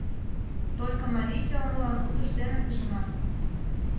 Только марий йылмылан утыж дене пижынат...